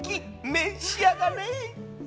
召し上がれ。